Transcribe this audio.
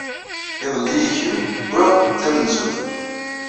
Iḍelli i kemm wwiɣ d tamenzut